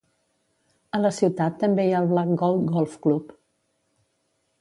A la ciutat també hi ha el Black Gold Golf Club.